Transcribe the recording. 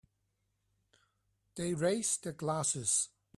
They raise their glasses.